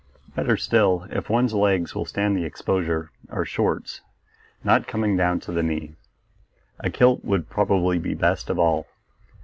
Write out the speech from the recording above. Better still, if one's legs will stand the exposure, are shorts, not coming down to the knee. A kilt would probably be best of all.